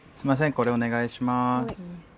これお願いします。